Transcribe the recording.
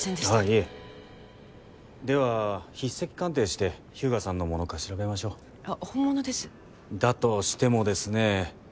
いえでは筆跡鑑定して日向さんのものか調べましょうあっ本物ですだとしてもですねえ